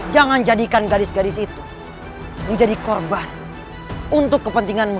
marahan yang memberikan tempat untuk lu